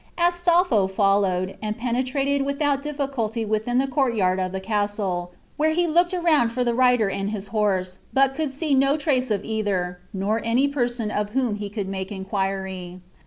Astolpho followed, and penetrated without difficulty within the court yard of the castle, where he looked around for the rider and his horse, but could see no trace of either, nor any person of whom he could make inquiry.